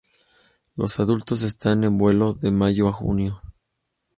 Los adultos están en vuelo de mayo a junio.